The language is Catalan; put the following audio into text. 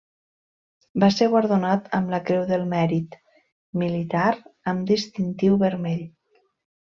Va ser guardonat amb la Creu del Mèrit Militar amb distintiu vermell.